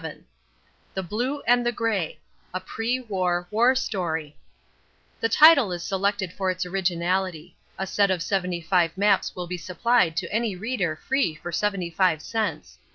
VII THE BLUE AND THE GREY A PRE WAR WAR STORY (_The title is selected for its originality. A set of seventy five maps will be supplied to any reader free for seventy five cents.